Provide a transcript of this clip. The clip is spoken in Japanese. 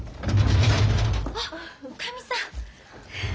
あっおかみさん。